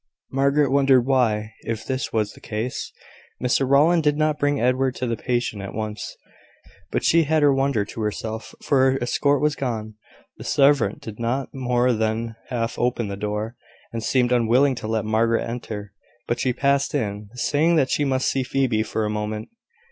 Margaret wondered why, if this was the case, Mr Rowland did not bring Edward to the patient at once; but she had her wonder to herself, for her escort was gone. The servant did not more than half open the door, and seemed unwilling to let Margaret enter; but she passed in, saying that she must see Phoebe for a moment.